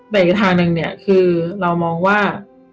แต่อีกทางหนึ่งเนี่ยคือเรามองว่า